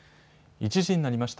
１時になりました。